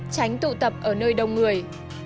tránh tụ tập ở nơi đông người